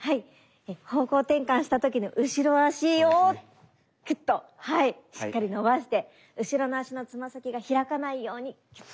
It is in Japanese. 方向転換した時の後ろ足をクッとしっかり伸ばして後ろの足の爪先が開かないように。